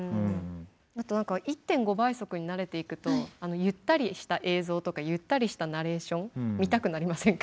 あと何か１．５倍速に慣れていくとゆったりした映像とかゆったりしたナレーション見たくなりませんか？